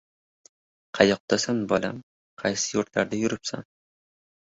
Qayoqdasan, bolam? Qaysi yurtlarda yuribsan?!